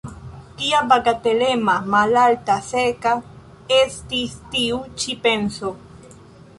Kia bagatelama, malalta, seka estis tiu ĉi penso!